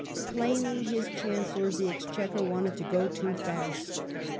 Plainly, his Chancellor of the Exchequer wanted to go too fast.